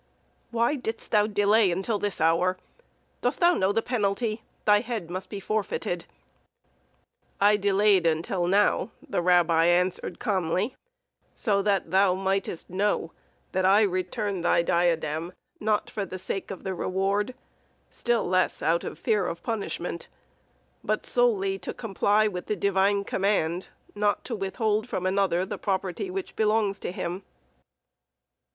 "Why didst thou delay until this hour? Dost thou know the penalty? Thy head must be forfeited." "I delayed until now," the rabbi answered calmly, "so that thou mightst know that I return thy diadem, not for the sake of the reward, still less out of fear of punishment; but solely to comply with the Divine command not to withhold from another the property which belongs to him."